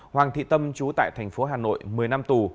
hoàng thị tâm chú tại tp hcm một mươi năm tù